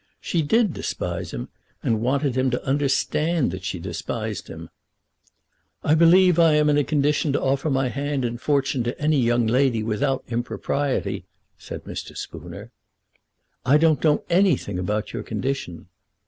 She did despise him, and wanted him to understand that she despised him. "I believe I am in a condition to offer my hand and fortune to any young lady without impropriety," said Mr. Spooner. "I don't know anything about your condition."